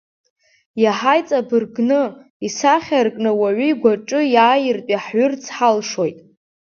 Иаҳа иҵабыргны, исахьаркны, ауаҩы игәаҿы иааиртә иаҳҩырц ҳалшоит.